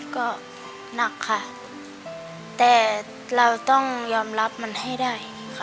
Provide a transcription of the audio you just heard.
ก็หนักค่ะแต่เราต้องยอมรับมันให้ได้ค่ะ